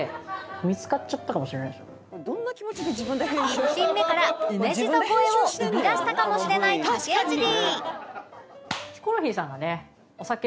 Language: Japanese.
１品目から梅しそ超えを生み出したかもしれない武内 Ｄ